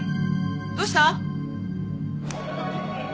どうした？